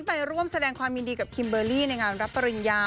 ไปร่วมแสดงความยินดีกับคิมเบอร์รี่ในงานรับปริญญา